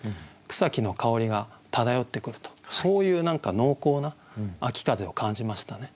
草木の香りが漂ってくるとそういう濃厚な秋風を感じましたね。